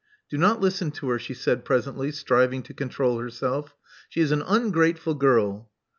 Do not listen to her, she said presently, striving to control herself. She is an ungrateful girl.